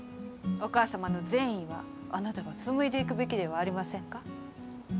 お母さまの善意はあなたが紡いでいくべきではありませんか？